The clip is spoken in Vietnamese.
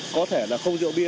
có thể là không rượu bia